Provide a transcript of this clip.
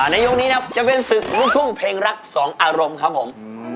ในยกนี้นะครับจะเป็นศึกลูกทุ่งเพลงรักสองอารมณ์ครับผม